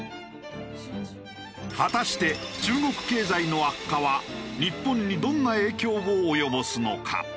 果たして中国経済の悪化は日本にどんな影響を及ぼすのか？